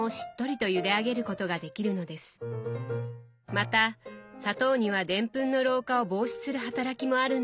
また砂糖にはデンプンの老化を防止する働きもあるんだとか。